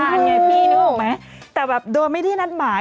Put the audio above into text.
วันนางคลานไงพี่นึกออกไหมแต่แบบโดยไม่ได้นัดหมาย